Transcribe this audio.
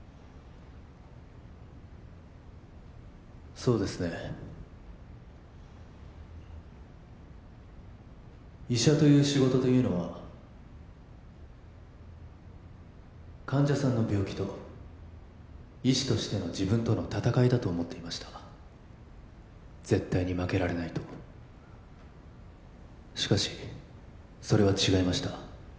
そうですね医者という仕事というのは患者さんの病気と医師としての自分との戦いだと思っていました絶対に負けられないとしかしそれは違いました